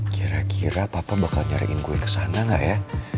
kira kira papa bakal nyariin gue kesana gak ya